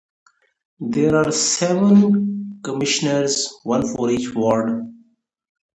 There are seven commissioners, one for each ward.